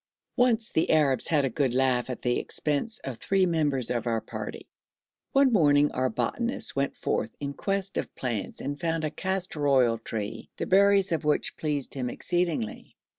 Once the Arabs had a good laugh at the expense of three members of our party. One morning our botanist went forth in quest of plants and found a castor oil tree, the berries of which pleased him exceedingly.